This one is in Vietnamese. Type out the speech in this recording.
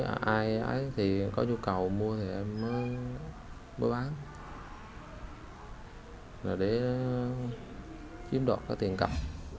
em mới bán là để chiếm đoạt có tiền cặp để thực hiện hành vi lừa đảo hoàng lên mạng và các nhà vườn truyền bán cây cảnh này sẽ được sử dụng trong thời gian tới